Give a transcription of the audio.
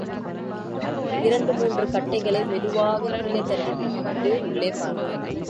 இரண்டு மூன்று கட்டைகளைக் மெதுவாகக் கீழே தள்ளி விட்டுவிட்டு உள்ளே பார்த்தான்.